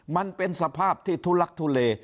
มันเป็นสภาพที่ทุลักทุเล